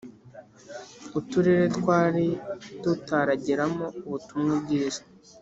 uturere twari tutarageramo ubutumwa bwiza